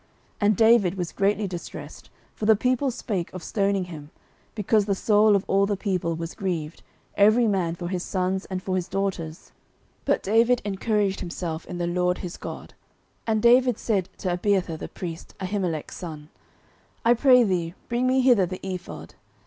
09:030:006 And David was greatly distressed; for the people spake of stoning him, because the soul of all the people was grieved, every man for his sons and for his daughters: but David encouraged himself in the LORD his God. 09:030:007 And David said to Abiathar the priest, Ahimelech's son, I pray thee, bring me hither the ephod.